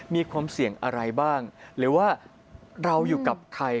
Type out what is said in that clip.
มีความเสี่ยงอะไรบ้างหรือว่าเราอยู่กับใคร